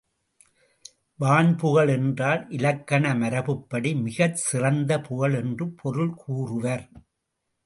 வான்புகழ் என்றால் இலக்கண மரபுப்படி மிகச் சிறந்த புகழ் என்று பொருள் கூறுவர்.